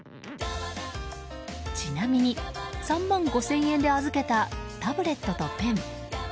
ちなみに３万５０００円で預けたタブレットとペン。